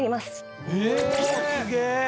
おすげえ！